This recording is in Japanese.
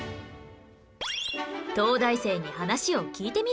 東大生に話を聞いてみると